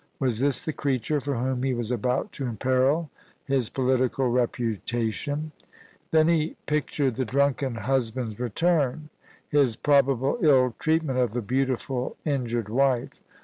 Was this the creature for whom he was about to imperil his political reputation ? Then he pictured the drunken husband's return, his pro bable ill treatment of the beautiful, injured wife.